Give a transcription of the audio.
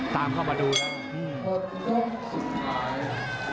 ตามเข้ามาดูแล้ว